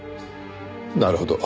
なるほど。